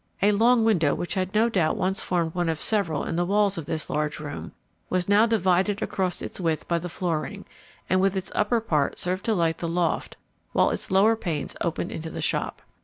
A long window, which had no doubt once formed one of several in the walls of this large room, was now divided across its width by the flooring, and with its upper part served to light the loft, while its lower panes opened into the shop.